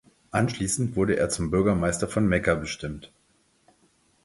Anschließend wurde er zum Bürgermeister von Mekka bestimmt.